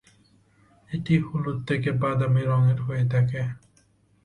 এটি হলুদ থেকে বাদামী রঙের হয়ে থাকে।